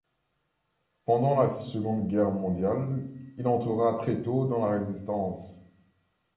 Pendant la Seconde Guerre mondiale, il entrera très tôt dans la Résistance.